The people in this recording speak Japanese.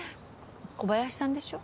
小林さんでしょ。